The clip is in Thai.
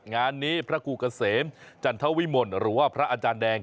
งานนี้พระครูเกษมจันทวิมลหรือว่าพระอาจารย์แดง